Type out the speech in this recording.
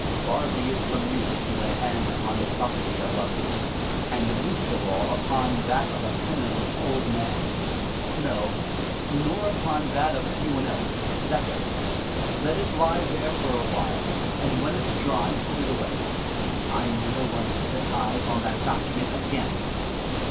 Far be it from me to lay bands upon the property of others — and least of all upon that of a penniless old man. No, nor upon 132 THE WILD DUCK. that of anyone else. That's it. Let it li^ there for a while. And when it's dry put it awayo I never want to set eyes on that document again.